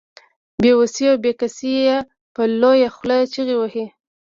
بې وسي او بې کسي يې په لويه خوله چيغې وهي.